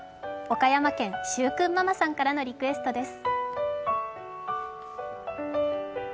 岡山県・しゅうくんママさんからのリクエストです。